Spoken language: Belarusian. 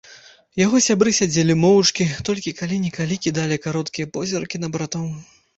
Яго сябры сядзелі моўчкі, толькі калі-нікалі кідалі кароткія позіркі на братоў.